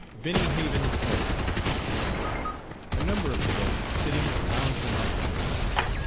BENNY HAVENS O. [A number of cadets sitting or lounging about the room.